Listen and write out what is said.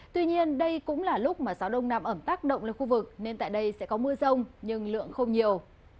tuy nhiên đây cũng là lúc mà gió đông nam ẩm tác động lên khu vực nên tại đây sẽ có mưa rông nhưng lượng không nhiều